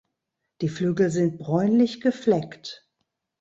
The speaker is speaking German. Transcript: Die Flügel sind bräunlich gefleckt.